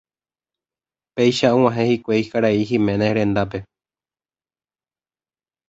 Péicha og̃uahẽ hikuái karai Giménez rendápe.